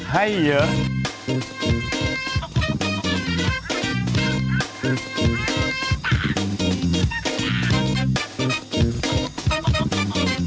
ให้เยอะ